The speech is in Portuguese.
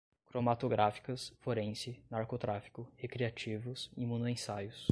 cromatográficas, forense, narcotráfico, recreativos, imunoensaios